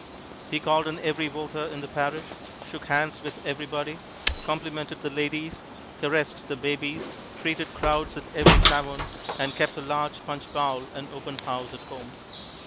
He called on every voter in the parish, shook hands with everybody, complimented the ladies, caressed the babies, treated crowds at every tavern, and kept a large punch bowl and open house at home.